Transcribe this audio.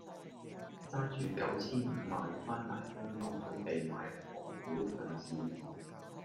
揸住九千五萬番黎香港準備買殼股上市。